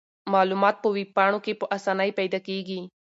معلومات په ویب پاڼو کې په اسانۍ پیدا کیږي.